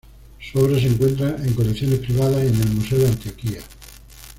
Su obra se encuentra en colecciones privadas y en el Museo de Antioquia.